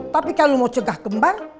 tapi kalau lu mau cegah kembar